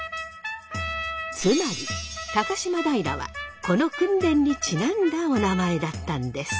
つまり高島平はこの訓練にちなんだおなまえだったんです。